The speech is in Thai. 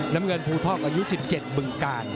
น้ำเงินภูทอกอายุ๑๗บึงกาล